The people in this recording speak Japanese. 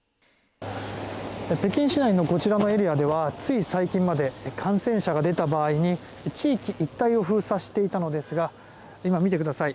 北京市内のこちらのエリアではつい最近まで感染者が出た場合に地域一帯を封鎖していたのですが今、見てください。